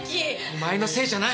お前のせいじゃない。